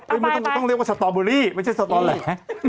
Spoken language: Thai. ไม่มันต้องเรียกว่าสตอบุรีไม่ใช่สตอแหล